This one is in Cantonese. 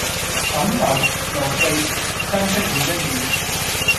感受、牢記、珍惜每一秒